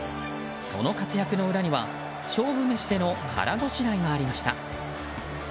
その活躍の裏には勝負飯での腹ごしらえがありました。